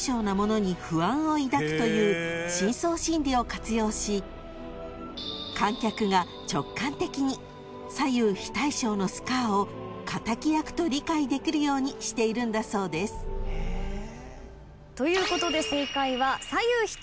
［という深層心理を活用し観客が直感的に左右非対称のスカーを敵役と理解できるようにしているんだそうです］ということで。